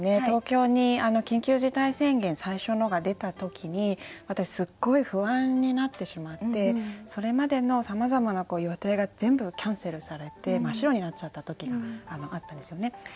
東京に緊急事態宣言最初のが出た時に私すっごい不安になってしまってそれまでのさまざまな予定が全部キャンセルされて真っ白になっちゃった時があったんですよね。